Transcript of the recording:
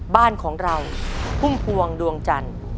บ้านของเราพุ่มพวงดวงจันทร์